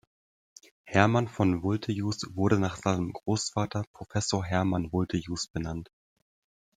Hermann von Vultejus wurde nach seinem Großvater Professor Hermann Vultejus benannt.